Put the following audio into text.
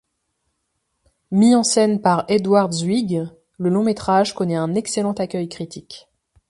Mis en scène par Edward Zwick, le long-métrage connait un excellent accueil critique.